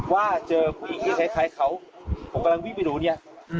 ว่าเจอผู้หญิงที่คล้ายเขาผมกำลังวิ่งไปดูเนี่ย